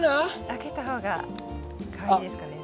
分けた方がかわいいですかね。